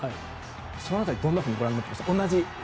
その辺りはどんなふうにご覧になってました？